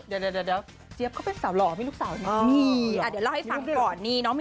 เดี๋ยวเดี๋ยวเดี๋ยวเดี๋ยวเดี๋ยว